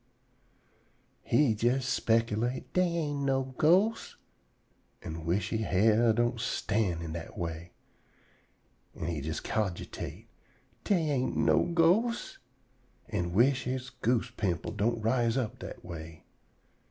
He jes speculate, "Dey ain't no ghosts," an' wish he hair don't stand on ind dat way. An' he jes cogitate, "Dey ain't no ghosts," an' wish he goose pimples don't rise up dat way.